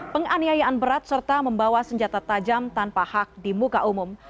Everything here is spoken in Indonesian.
penganiayaan berat serta membawa senjata tajam tanpa hak di muka umum